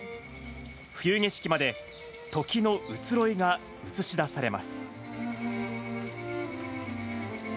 冬景色まで、時の移ろいが映し出されます。